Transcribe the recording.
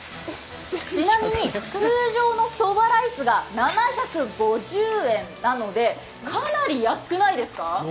ちなみに通常のそばライスが７５０円なのでかなり安くないですか？